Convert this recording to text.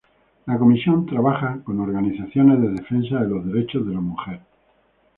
La comisión trabaja con organizaciones de defensa de los derechos de la mujer.